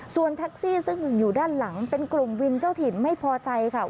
ส่วนแท็กซี่ซึ่งอยู่ด้านหลังเป็นกลุ่มวินเจ้าถิ่นไม่พอใจค่ะ